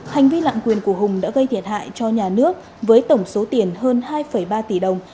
hành vi lạng quyền của hùng đã gây thiệt hại cho nhà nước với tổng số tiền hơn hai ba tỷ đồng